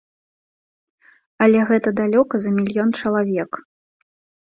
Але гэта далёка за мільён чалавек.